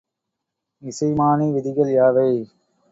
இசைமானி விதிகள் யாவை?